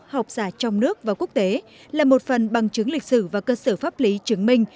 học giả trong nước và quốc tế là một phần bằng chứng lịch sử và cơ sở pháp lý chứng minh